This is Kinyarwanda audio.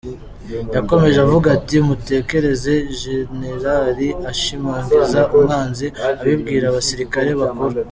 Yakomeje avuga ati “mutekereze Jenerali ashimagiza umwanzi, abibwira abasirikare bakuru.”